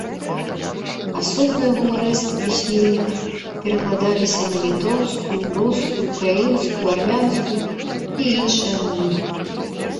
Асобныя гумарэскі пісьменніка перакладаліся на літоўскую, рускую, украінскую, армянскую і іншыя мовы.